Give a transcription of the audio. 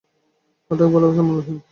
পাঠক, ভালবাসা মূল্যহীন নয়।